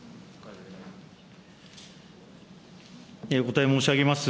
お答え申し上げます。